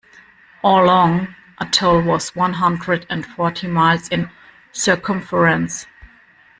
Oolong Atoll was one hundred and forty miles in circumference.